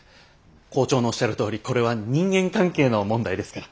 校長のおっしゃるとおりこれは人間関係の問題ですから。